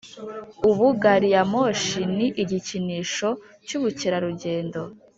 ubu gariyamoshi ni igikinisho cyubukerarugendo